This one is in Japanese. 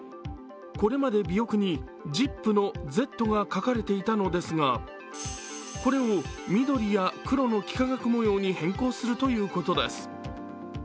これまでビヨクに「ＺＩＰ」の「Ｚ」が書かれていたのですが、これを緑や黒の幾何学模様に変更するということです。